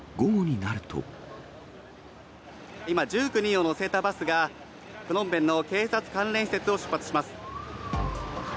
今、１９人を乗せたバスが、プノンペンの警察関連施設を出発します。